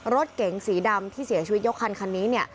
รถเก๋งสีดำที่เสียชีวิตยกคันคันนี้เนี่ย